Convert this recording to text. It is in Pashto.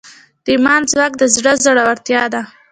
د ایمان ځواک د زړه زړورتیا ده.